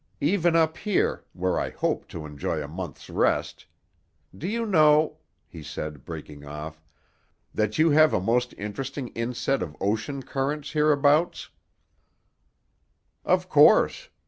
Even up here, where I hoped to enjoy a month's rest—Do you know," he said, breaking off, "that you have a most interesting inset of ocean currents hereabouts?" "Of course.